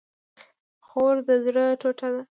خور د زړه ټوټه ده